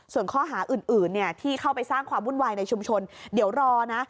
ส่วนข้อหาอื่นที่เข้าไปสร้างความวุ่นวายในชุมชนเดี๋ยวรอนะ